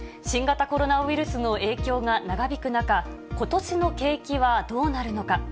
新型コロナウイルスの影響が長引く中、ことしの景気はどうなるのか。